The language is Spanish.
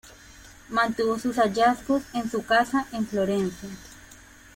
Mantuvo sus hallazgos en su casa en Florencia.